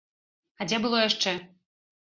А дзе было яшчэ?